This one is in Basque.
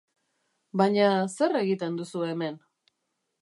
Baina, zer egiten duzu hemen?